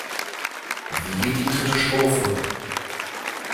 Wie geht die dritte Strophe?